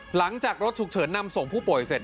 หลังจากรถฉุกเฉินนำส่งผู้ป่วยเสร็จ